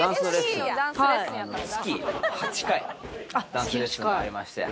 ダンスレッスンありまして。